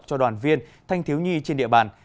cho đoàn viên thanh thiếu nhi trên địa bàn